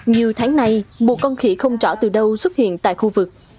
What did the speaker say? nhiều tháng nay một con khỉ không trỏ từ đâu xuất hiện tại khu vực